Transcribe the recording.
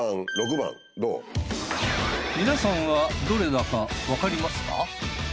皆さんはどれだかわかりますか？